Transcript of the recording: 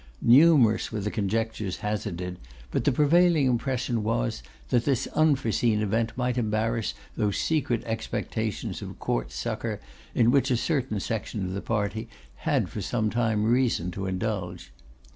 Numerous were the conjectures hazarded, but the prevailing impression was, that this unforeseen event might embarrass those secret expectations of Court succour in which a certain section of the party had for some time reason to indulge.